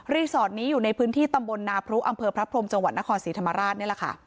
รีสอร์ทนี้อยู่ในพื้นที่ตำบนนาปรุอำเภอพระพรมจนครสีธรรมราช